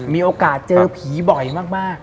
มีโอกาสเจอผีบ่อยมาก